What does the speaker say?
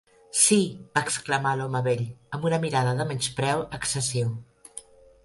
"Si!", va exclamar l'home vell, amb una mirada de menyspreu excessiu.